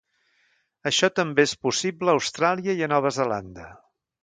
Això també és possible a Austràlia i a Nova Zelanda.